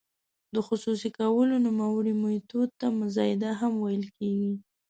د خصوصي کولو نوموړي میتود ته مزایده هم ویل کیږي.